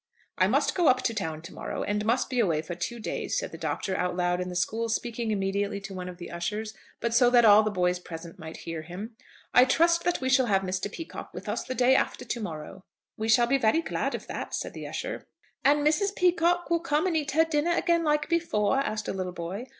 "I must go up to town to morrow, and must be away for two days," said the Doctor out loud in the school, speaking immediately to one of the ushers, but so that all the boys present might hear him. "I trust that we shall have Mr. Peacocke with us the day after to morrow." "We shall be very glad of that," said the usher. "And Mrs. Peacocke will come and eat her dinner again like before?" asked a little boy.